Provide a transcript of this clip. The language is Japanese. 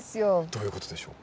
どういうことでしょう？